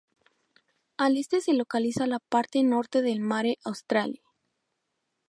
Al este se localiza la parte norte del Mare Australe.